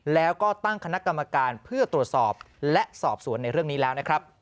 แล้วก็ตั้งคณะกรรมการเพื่อตรวจสอบและสอบสวนในเรื่องนี้แล้วนะครับ